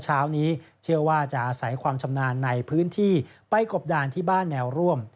เช้านี้เชื่อว่าจะอาศัยความชำนาญในพื้นที่ไปกบดานที่บ้านแนวร่วม